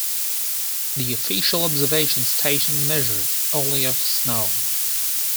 The official observation station measured only of snow.